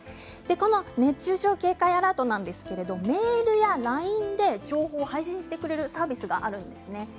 この熱中症警戒アラートなんですけれどメールやＬＩＮＥで情報を配信してくれるサービスがあります。